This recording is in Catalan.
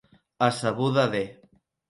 A sabuda de.